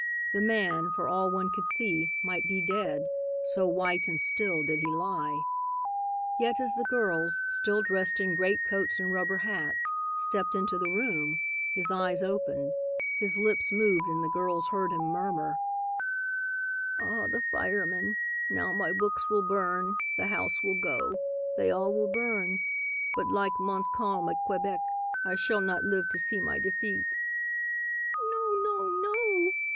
The man, for all one could see, might be dead, so white and still did he lie. Yet as the girls, still dressed in great coats and rubber hats, stepped into the room, his eyes opened; his lips moved and the girls heard him murmur: "Ah, the firemen. Now my books will burn, the house will go. They all will burn. But like Montcalm at Quebec, I shall not live to see my defeat." "No, no, no!"